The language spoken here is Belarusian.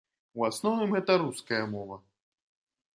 У асноўным гэта руская мова.